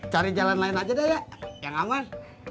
cari jalan lain aja deh ya yang aman